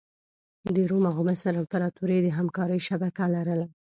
د روم او مصر امپراتوري د همکارۍ شبکه لرله.